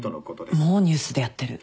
もうニュースでやってる。